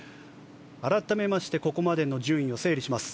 改めましてここまでの順位を整理します。